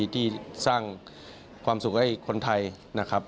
ที่สร้างความสุขให้คนไทยนะครับ